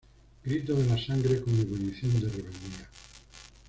Grito de la sangre con ebullición de rebeldía.